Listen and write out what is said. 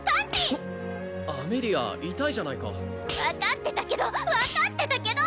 おっアメリア痛いじゃないか分かってたけど分かってたけど！